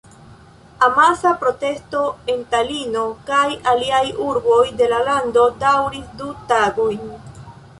Amasa protesto en Talino kaj aliaj urboj de la lando daŭris du tagojn.